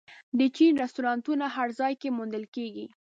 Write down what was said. د چین رستورانتونه هر ځای کې موندل کېږي.